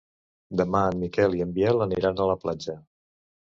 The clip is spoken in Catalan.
Demà en Miquel i en Biel aniran a la platja.